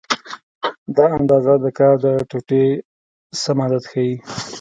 دا اندازه د کار د ټوټې سم عدد ښیي.